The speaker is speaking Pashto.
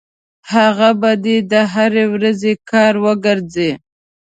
هغه به دې د هرې ورځې کار وګرځي.